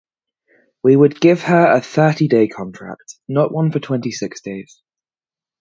We would give her a thirty day contract, not one for twentysix days